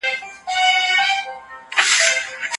د الله خوشالي تر ټولو مادي نعمتونو ډېره ارزښتمنه ده.